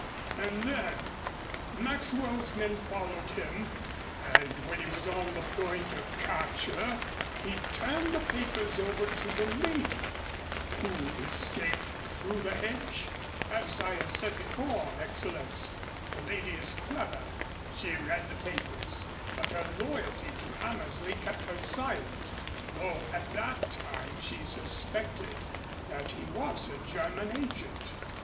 "H m. And then, Maxwell's men followed him, and when he was on the point of capture he turned the papers over to the lady, who escaped through the hedge?" "As I have said before, Excellenz, the lady is clever. She read the papers, but her loyalty to Hammersley kept her silent, though at that time she suspected that he was a German agent."